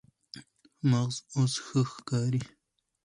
مغز اوس ښه ښکاري.